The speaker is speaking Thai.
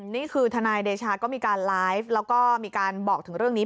นี่คือทนายเดชาก็มีการไลฟ์แล้วก็มีการบอกถึงเรื่องนี้